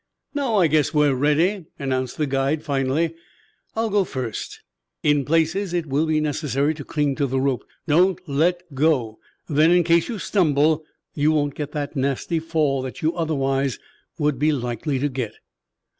"Now I guess we are ready," announced the guide finally. "I will go first. In places it will be necessary to cling to the rope. Don't let go. Then, in case you stumble, you won't get the nasty fall that you otherwise would be likely to get."